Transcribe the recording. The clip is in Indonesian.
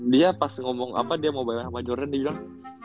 dia pas ngomong apa dia mau bayar sama jordan dia bilang